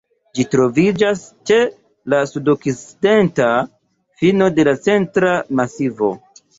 Ĝi troviĝas ĉe la sudokcidenta fino de la Centra Masivo.